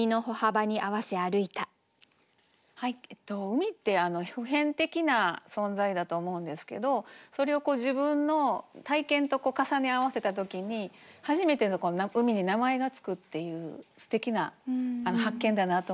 海って普遍的な存在だと思うんですけどそれを自分の体験と重ね合わせたときに初めて海に名前が付くっていうすてきな発見だなと思いました。